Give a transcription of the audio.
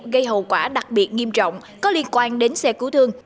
gây hậu quả đặc biệt nghiêm trọng có liên quan đến xe cứu thương